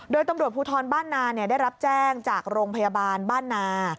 โดยตำรวจภูทรบ้านนาได้รับแจ้งจากโรงพยาบาลบ้านนา